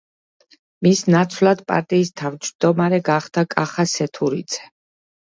მის ნაცვლად პარტიის თავმჯდომარე გახდა კახა სეთურიძე.